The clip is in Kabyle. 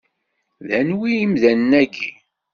D anwi imdanen-agi?